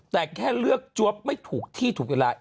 แต่แค่เลือกจวบไม่ถูกที่ถูกเวลา